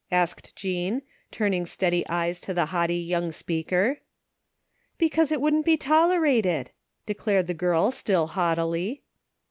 asked Jean, turning steady eyes to the haughty young speaker. " Because it wouldn't be tolerated," declared the girl still haughtily.